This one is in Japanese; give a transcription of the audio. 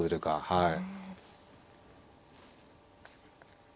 はい。